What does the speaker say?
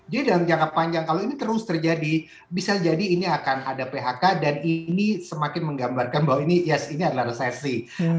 jadi dalam jangka panjang kalau ini terus terjadi bisa jadi ini akan ada phk dan ini semakin menggambarkan bahwa ini yes ini adalah resesi